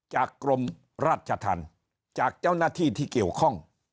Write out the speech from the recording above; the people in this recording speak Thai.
กรมราชธรรมจากเจ้าหน้าที่ที่เกี่ยวข้อง